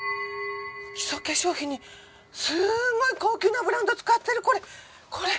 基礎化粧品にすごい高級なブランド使ってるこれ。